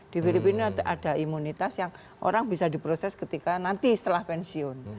di filipina ini ada imunitas yang orang bisa diproses ketika nanti setelah pensiun